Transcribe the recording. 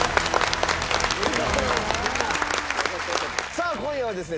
さあ今夜はですね